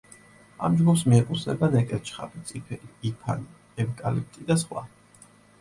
ამ ჯგუფს მიეკუთვნება ნეკერჩხალი, წიფელი, იფანი, ევკალიპტი და სხვა.